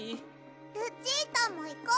・ルチータもいこう！